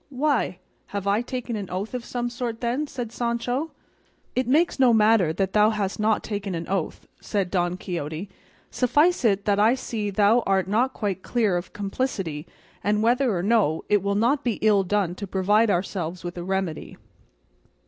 "Why! have I taken an oath of some sort, then?" said Sancho. "It makes no matter that thou hast not taken an oath," said Don Quixote; "suffice it that I see thou art not quite clear of complicity; and whether or no, it will not be ill done to provide ourselves with a remedy."